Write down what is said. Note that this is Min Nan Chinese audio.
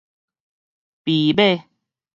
埤尾